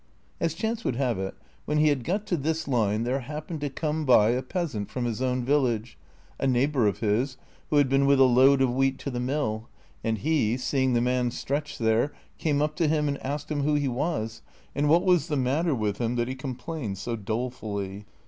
" As chance would have it, when he had got to this line there happened to come by a peasant from his own village, a neigh bor of his, who had been with a load of wheat to the mill, and he, seeing the man stretched there, came up to him and asked him who he was and what was the matter with him that he complained so dolefully.